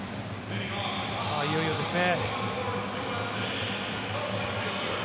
さあ、いよいよですね。